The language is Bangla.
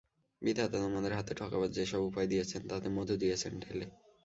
বিধাতা তোমাদের হাতে ঠকাবার যে-সব উপায় দিয়েছেন তাতে মধু দিয়েছেন ঢেলে।